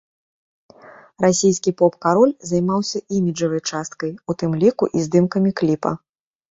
Расійскі поп-кароль займаўся іміджавай часткай, у тым ліку і здымкамі кліпа.